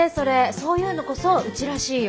そういうのこそうちらしいよ。